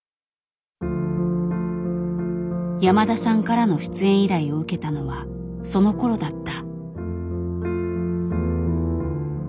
山田さんからの出演依頼を受けたのはそのころだった。